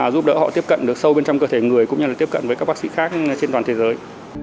giúp đỡ họ tiếp cận được sâu bên trong cơ thể người cũng như là tiếp cận với các bác sĩ khác trên toàn thế giới